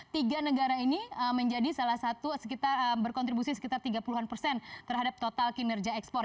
tiga negara ini menjadi salah satu sekitar berkontribusi sekitar tiga puluh an persen terhadap total kinerja ekspor